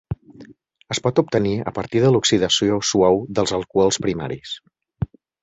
Es pot obtenir a partir de l'oxidació suau dels alcohols primaris.